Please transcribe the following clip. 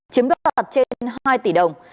chiếm đoạt trên hai tỷ đồng